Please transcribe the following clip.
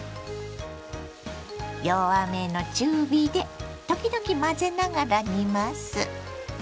弱めの中火で時々混ぜながら煮ます。